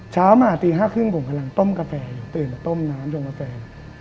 เช้ามาตีห้าครึ่งผมกำลังต้มกาแฟอยู่ตื่นแล้วต้มน้ำจงกาแฟ